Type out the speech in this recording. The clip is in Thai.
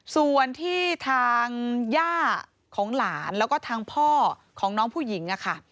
ส่วนที่ทางย่าของหลานแล้วก็ทางพ่อของน้องผู้หญิงอะค่ะ